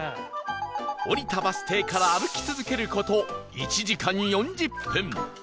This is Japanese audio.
降りたバス停から歩き続ける事１時間４０分